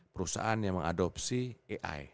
perusahaan yang mengadopsi ai